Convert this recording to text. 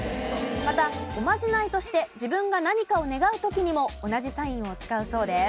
またおまじないとして自分が何かを願う時にも同じサインを使うそうです。